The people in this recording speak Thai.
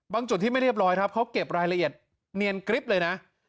จุดที่ไม่เรียบร้อยครับเขาเก็บรายละเอียดเนียนกริ๊บเลยนะ